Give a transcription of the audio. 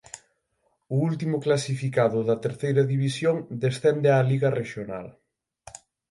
O último clasificado da Terceira División descende á Liga Rexional.